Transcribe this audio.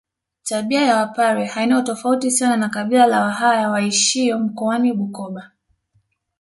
Tabia ya wapare haina utofauti sana na kabila la wahaya waishio mkoani Bukoba